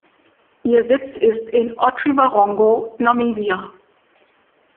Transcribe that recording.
Ihr Sitz ist in Otjiwarongo, Namibia.